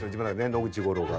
野口五郎が。